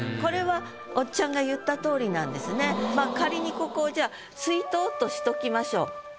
これはまあ仮にここをじゃあ「水筒」としときましょう。